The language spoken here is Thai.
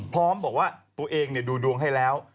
พร้อมบอกว่าตัวเองดูดวงให้แล้ว